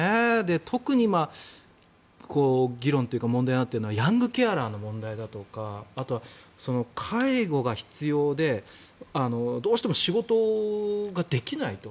特に今、議論というか問題になっているのはヤングケアラーの問題だとかあとは介護が必要でどうしても仕事ができないと。